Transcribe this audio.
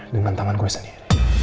dengan tangan gue sendiri